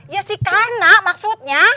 ya sih karena maksudnya